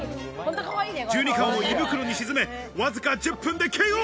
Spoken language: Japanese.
１２貫を胃袋に沈め、わずか１０分でＫＯ！